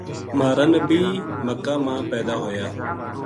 مہارا نبی مکہ ما پیدا ہویا۔